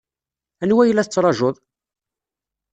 Anwa ay la tettṛajuḍ?